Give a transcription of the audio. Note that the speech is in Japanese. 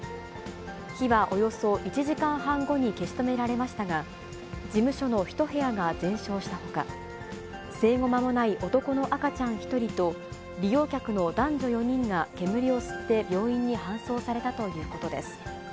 火はおよそ１時間半後に消し止められましたが、事務所の１部屋が全焼したほか、生後間もない男の赤ちゃん１人と利用客の男女４人が煙を吸って病院に搬送されたということです。